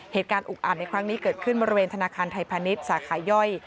เหตุการณ์อุกอ่านในครั้งนี้เกิดขึ้นบริเวณธนาคารไทยพาณิชย์สาขาย่อย